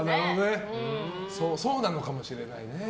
そうなのかもしれないね。